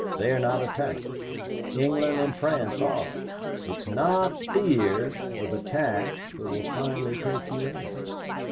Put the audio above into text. They are not attacked. England and France are. It is not fear of attack that will finally take you in.